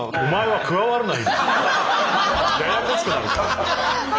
ややこしくなる。